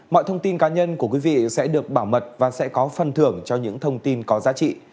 mọi thông tin cá nhân của quý vị sẽ được bảo mật và sẽ có phần thưởng cho những thông tin có giá trị